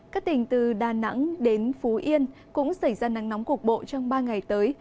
các tỉnh từ đà nẵng đến phú yên cũng xảy ra nắng nóng cục bộ trong ba ngày tới